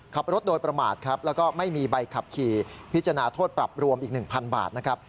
ขับรถโดยประมาทครับแล้วก็ไม่มีใบขับขี่พิจารณาโทษปรับรวมอีก๑๐๐บาทนะครับ